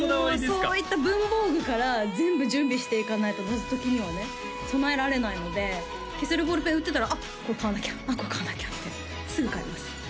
もうそういった文房具から全部準備していかないと謎解きにはね備えられないので消せるボールペン売ってたらあっこれ買わなきゃこれ買わなきゃってすぐ買います